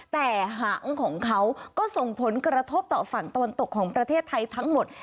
แต่หางของเขาก็ส่งผลกระทบต่อฝั่งตะวันตกของประเทศไทยทั้งหมด